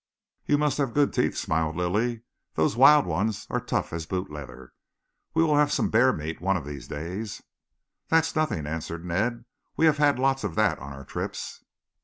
"You must have good teeth," smiled Lilly. "Those wild ones are tough as boot leather. We will have some bear meat one of these days." "That's nothing," answered Ned. "We have had lots of that on our trips."